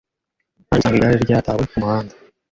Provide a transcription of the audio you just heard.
Naje gusanga igare ryatawe kumuhanda